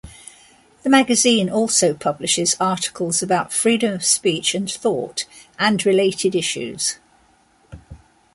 The magazine also publishes articles about freedom of speech and thought, and related issues.